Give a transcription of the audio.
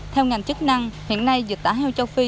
theo ngành chức năng hiện nay dịch tả heo châu phi